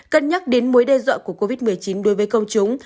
cân nhắc đến mối đe dọa của covid một mươi chín đối với công chúng